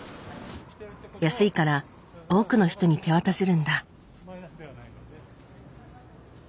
安いから多くの人に手渡せるんだ。